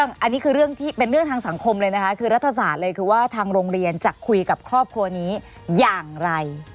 อันนี้คือเรื่องที่เป็นเรื่องทางสังคมเลยนะคะคือรัฐศาสตร์เลยคือว่าทางโรงเรียนจะคุยกับครอบครัวนี้อย่างไร